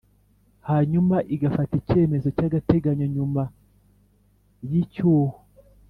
Hanyuma igafata icyemezo cy agateganyo nyuma y icyuho